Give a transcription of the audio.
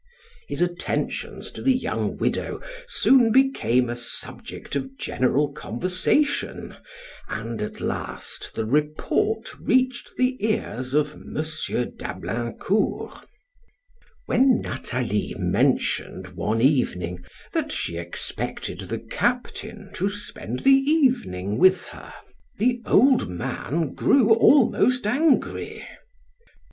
His attentions to the young widow soon became a subject of general conversation, and, at last, the report reached the ears of M. d'Ablaincourt. When Nathalie mentioned, one evening, that she expected the captain to spend the evening with her, the old man grew almost angry.